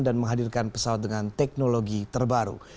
dan menghadirkan pesawat dengan teknologi terbaru